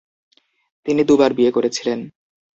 তিনি দুবার বিয়ে করেছিলেন।